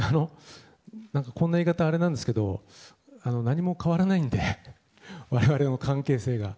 こんな言い方はあれなんですが何も変わらないので我々の関係性が。